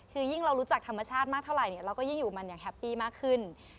คือยิ่งเรารู้จักธรรมชาติมากเท่าไหร่เนี่ยเราก็ยิ่งอยู่มันอย่างแฮปปี้มากขึ้น